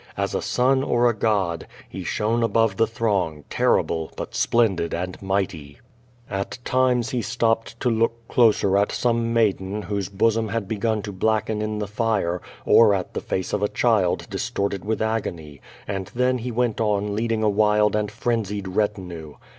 As a sun or a god, he shone above the throng, terrible, but splendid and mighty. At times he stopped to look closer at some maiden whoee QUO VADI8. 455 bosom had begun to blacken in the fire, or at the face of a child distorted with agony; and then he went on leading a wild and frenzied retinue.